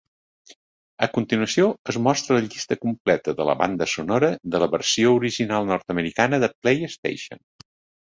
A continuació es mostra la llista completa de la banda sonora de la versió original nord-americà de PlayStation.